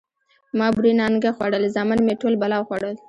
ـ ما بورې نانګه خوړل، زامن مې ټول بلا وخوړل.